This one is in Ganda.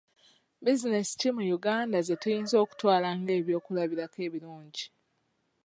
Bizinensi ki mu Uganda ze tuyinza okutwala ng'ebyokulabirako ebirungi?